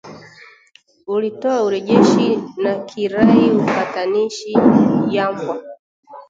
uliotoa urejeshi na kirai upatanishi yambwa